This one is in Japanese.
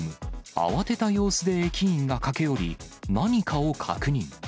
慌てた様子で駅員が駆け寄り、何かを確認。